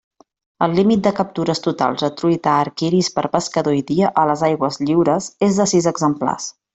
El límit de captures totals de truita arc iris per pescador i dia a les aigües lliures és de sis exemplars.